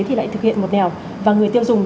thì lại thực hiện một đèo và người tiêu dùng